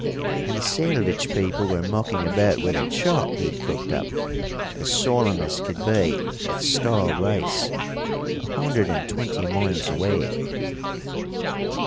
And the salvage people were mucking about with a chart he'd cooked up, as solemn as could be, at Starr Race, a hundred and twenty miles away.